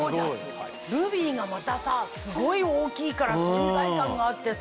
ルビーがまたさすごい大きいから存在感があってさ。